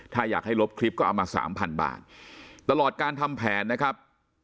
ถ้าอยากให้ลบคลิปก็เอามาสามพันบาทตลอดการทำแผนนะครับ